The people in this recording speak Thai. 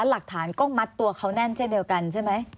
หลักฐานก้องมัดตัวคั่นแน่นเจนเดียวกันใช่ไหม